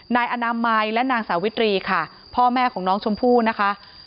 นายอนามัยและนางสาวิตรีค่ะพ่อแม่ของน้องชมพู่นะคะ